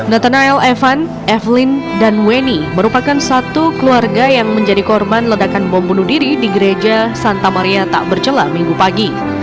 natanael evan evelyn dan weni merupakan satu keluarga yang menjadi korban ledakan bom bunuh diri di gereja santa maria tak bercela minggu pagi